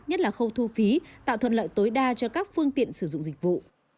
nhất là khâu thu phí tạo thuận lợi tối đa cho các phương tiện sử dụng dịch vụ